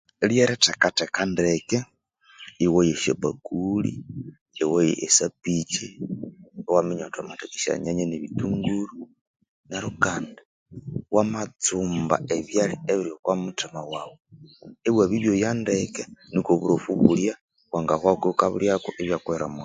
Lyerithekatheka ndeke ighoya esyabakuli ighoya esapiki iwaminya ghuti wamathegheka esyonyanya nebittunguru neryo kandi wamatsumba ebyalya ebiri okwa mutima iwabibyoya ndeke niko oburoffu ibwahwako ghukendibya ghukabirya ibyakuyirira mughaso